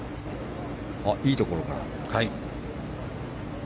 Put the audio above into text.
いいところから。